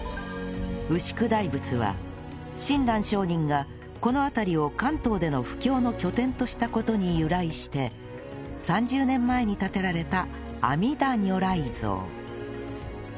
牛久大仏は親鸞聖人がこの辺りを関東での布教の拠点とした事に由来して３０年前に建てられた阿弥陀如来像